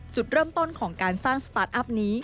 จุดเริ่มต้นของการสร้างสตาร์ทอัพนี้